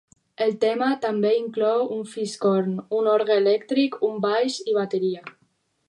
El tema també inclou un fiscorn, un orgue elèctric, un baix i bateria.